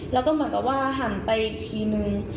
แล้วก็เหมือนกับว่าหันไปอีกทีนึง